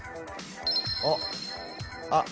おっあっ